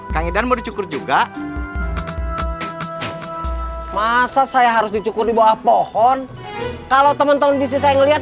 kangidan mencukur juga masa saya harus dicukur di bawah pohon kalau temen temen bisa ngelihat